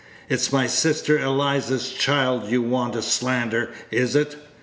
It's my sister Eliza's child you want to slander, is it?